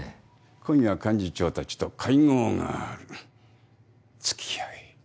今夜幹事長たちと会合があるつきあえ。